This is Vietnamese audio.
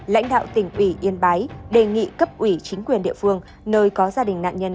lãnh đạo tỉnh ủy yên bái đề nghị cấp ủy chính quyền địa phương nơi có gia đình nạn nhân